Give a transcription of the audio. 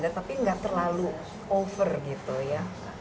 tapi nggak terlalu over gitu ya